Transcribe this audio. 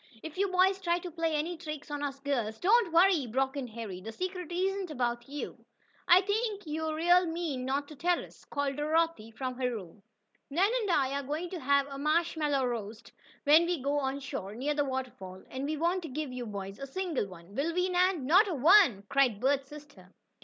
"If you boys try to play any tricks on us girls " "Don't worry," broke in Harry. "The secret isn't about you." "I think you're real mean not to tell us!" called Dorothy, from her room. "Nan and I are going to have a marshmallow roast, when we go on shore near the waterfall, and we won't give you boys a single one, will we, Nan?" "Not a one!" cried Bert's sister.